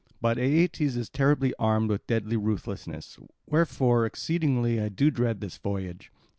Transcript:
But Aeetes is terribly armed with deadly ruthlessness; wherefore exceedingly do I dread this voyage.